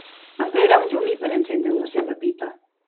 Emprarà un llumí per encendre la seva pipa.